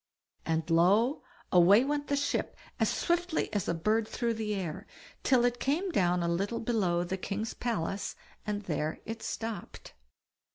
And lo! away went the ship as swiftly as a bird through the air, till it came down a little below the king's palace, and there it stopped.